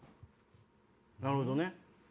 なるほどね。